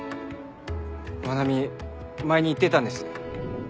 真名美前に言ってたんです。